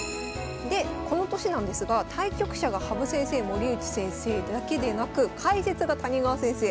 でこの年なんですが対局者が羽生先生森内先生だけでなく解説が谷川先生